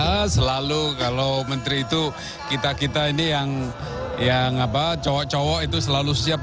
ya selalu kalau menteri itu kita kita ini yang cowok cowok itu selalu siap